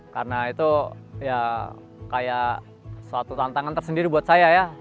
karena itu ya kayak suatu tantangan tersendiri buat saya ya